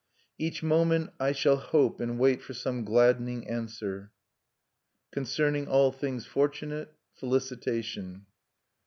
Each moment I shall hope and wait for some gladdening answer_. Concerning all things fortunate, felicitation.